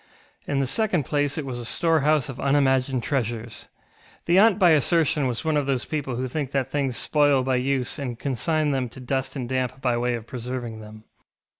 In the second place it was a storehouse of unimagined treasures. The aunt by assertion was one of those people who think that things spoil by use and consign them to dust and damp by way of preserving them.